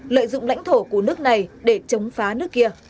lợi dụng lãnh thổ của nước này để chống phá nước kia